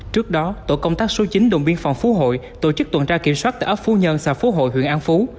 trước đó tổ công tác số chín đồn biên phòng phú hội tổ chức tuần tra kiểm soát tại ấp phú nhân xã phú hội huyện an phú